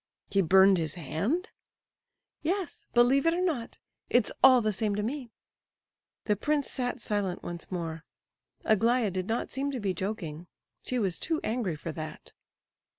"He burned his hand!" "Yes, believe it or not! It's all the same to me!" The prince sat silent once more. Aglaya did not seem to be joking; she was too angry for that.